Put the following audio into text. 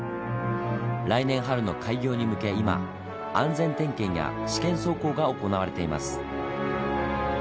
来年春の開業に向け今安全点検や試験走行が行われています。